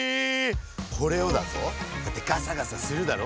これをだぞガサガサするだろ。